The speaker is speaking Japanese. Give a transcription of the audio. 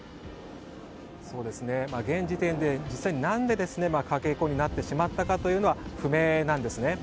現時点で実際に、何でかけ子になってしまったかというのは不明なんですね。